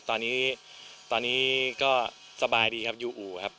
ตอนนี้ก็สบายดีครับอยู่อู่ครับ